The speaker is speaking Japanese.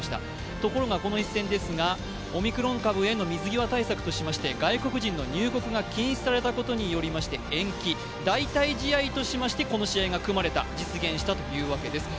ところが、この一戦、オミクロン株への水際対策としまして外国人の入国が禁止されたことによりまして延期、代替試合としましてこの試合が実現したわけです。